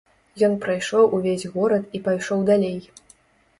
Ён прайшоў увесь горад і пайшоў далей.